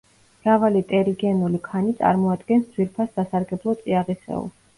მრავალი ტერიგენული ქანი წარმოადგენს ძვირფას სასარგებლო წიაღისეულს.